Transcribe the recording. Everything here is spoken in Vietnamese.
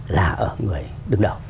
là ở người đứng đầu